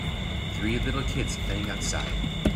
Three little kids playing outside.